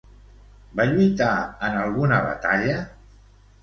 Va lluitar en alguna batalla?